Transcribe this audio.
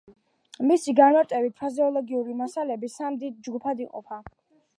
მისი განმარტებით, ფრაზეოლოგიური მასალები სამ დიდ ჯგუფად იყოფა.